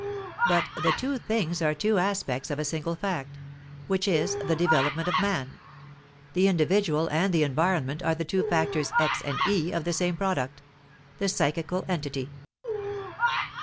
But the two things are two aspects of a single fact, which is the development of man; the individual and the environment are the two factors X and E of the same product: the psychical entity.